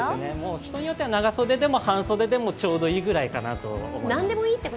人によっては長袖でも半袖でもちょうどいいくらいかなと思います。